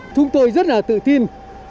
chúng tôi rất là tự tin